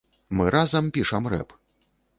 Мы разам пішам рэп.